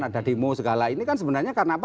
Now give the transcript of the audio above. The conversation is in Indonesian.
ada demo segala ini kan sebenarnya karena apa